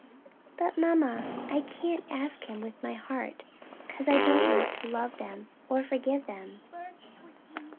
"But mamma, I can't ask him with my heart, 'cause I don't want to love them or forgive them."